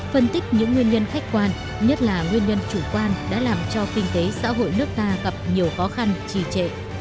phân tích những nguyên nhân khách quan nhất là nguyên nhân chủ quan đã làm cho kinh tế xã hội nước ta gặp nhiều khó khăn trì trệ